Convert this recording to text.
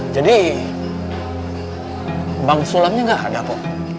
jadi bang sulamnya gak ada pok